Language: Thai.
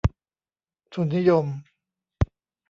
ทุนนิยม